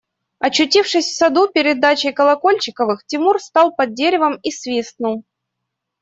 Очутившись в саду перед дачей Колокольчиковых, Тимур стал под деревом и свистнул.